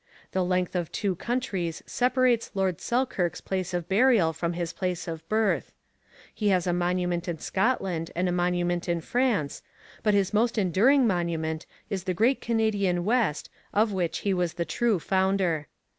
The length of two countries separates Lord Selkirk's place of burial from his place of birth. He has a monument in Scotland and a monument in France, but his most enduring monument is the great Canadian West of which he was the true founder.